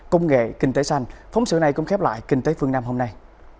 công nghệ kinh tế xanh phóng sự này cũng khép lại kinh tế phương nam hôm nay